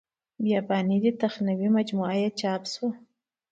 بیاباني دې تخنوي مجموعه یې چاپ شوې.